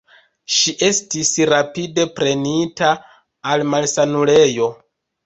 Ŝi estis rapide prenita al malsanulejo.